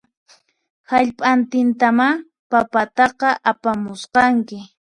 Hallp'antintamá papataqa apamusqanki